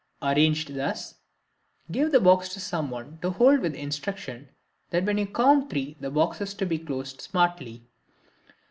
Arranged thus, give the box to someone to hold with instructions that when you count three the box is to be closed smartly.